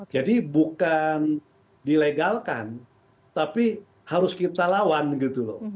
jadi bukan dilegalkan tapi harus kita lawan gitu loh